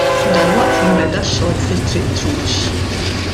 Dalwaqt jinbeda x-xogħol fi Triq Trux.